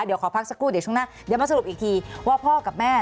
เดี๋ยวขอพักสักครู่เดี๋ยวช่วงหน้าเดี๋ยวมาสรุปอีกทีว่าพ่อกับแม่